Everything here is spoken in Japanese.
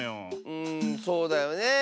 うんそうだよねえ。